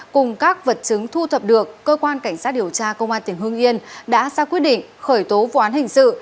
cùng các vật chứng thu thập được cơ quan cảnh sát điều tra công an tỉnh hương yên đã ra quyết định khởi tố vụ án hình sự